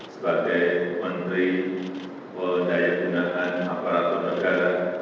sebagai menteri pernahyagunan aparatur negara